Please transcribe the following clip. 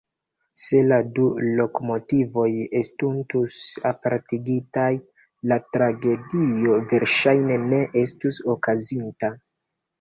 Se la du lokomotivoj estintus apartigitaj, la tragedio verŝajne ne estus okazinta.